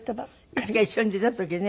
いつか一緒に出た時ね